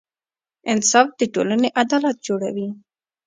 انصاف د ټولنې عدالت جوړوي.